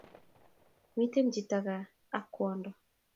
miten chiton kaa ak kwondo